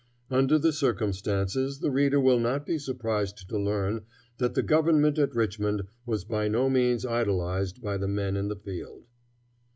Under all the circumstances the reader will not be surprised to learn that the government at Richmond was by no means idolized by the men in the field.